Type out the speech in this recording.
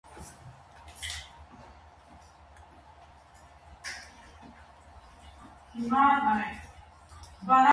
Երբեմն գաղտնի համաշխարհային կառավարությունը համաշխարհային ֆինանսական ինստիտուտների հետ խառնված է։